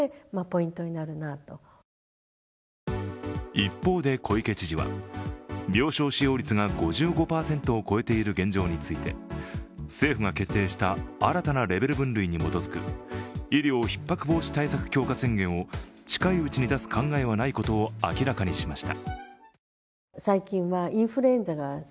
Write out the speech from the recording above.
一方で小池知事は、病床使用率が５５％を超えている現状について政府が決定した新たなレベル分類に基づく医療ひっ迫防止対策強化宣言を近いうちに出す考えはないことを明らかにしました。